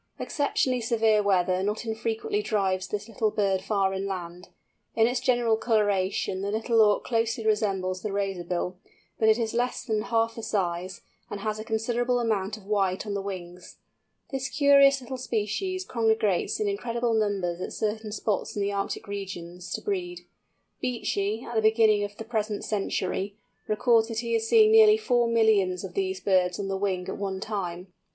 Exceptionally severe weather not unfrequently drives this little bird far inland. In its general colouration the Little Auk closely resembles the Razorbill, but it is less than half the size, and has a considerable amount of white on the wings. This curious little species congregates in incredible numbers at certain spots in the Arctic regions, to breed. Beechey, at the beginning of the present century, records that he has seen nearly four millions of these birds on the wing at one time.